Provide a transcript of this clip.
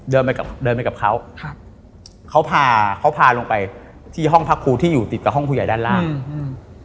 เดินไปกับเขาครับเขาพาเขาพาลงไปที่ห้องพักครูที่อยู่ติดกับห้องผู้ใหญ่ด้านล่างอืม